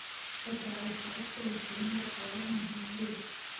د "د" حرف د لیکنې لپاره مهم دی.